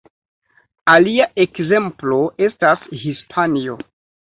Alia ekzemplo estas Hispanio.